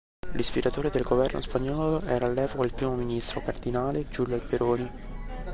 L'ispiratore del governo spagnolo era all'epoca il primo ministro, cardinale Giulio Alberoni.